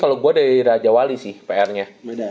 kalau gue dari raja wali sih prnya